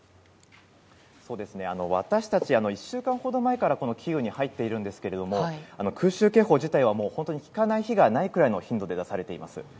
私たち、１週間ほど前からキーウに入っているんですが空襲警報自体は、聞かない日がないくらいの頻度で出されています。